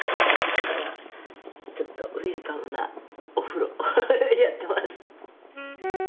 だからちょっとウエルカムなお風呂やってます。